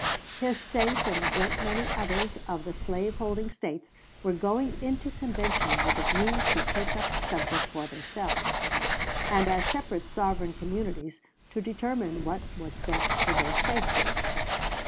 His State and a great many others of the slaveholding States were going into convention with a view to take up the subject for themselves, and as separate sovereign communities to determine what was best for their safety.